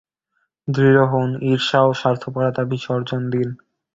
দৃঢ় হউন, ঈর্ষা ও স্বার্থপরতা বিসর্জন দিন।